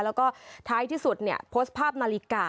แล้วก็ท้ายที่สุดเนี่ยโพสต์ภาพนาฬิกา